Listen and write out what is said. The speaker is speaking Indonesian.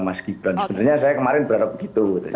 mas gibran sebenarnya saya kemarin berharap begitu